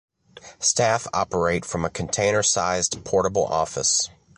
Staff operate from a container-sized portable office.